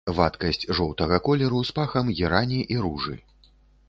Вадкасць жоўтага колеру з пахам герані і ружы.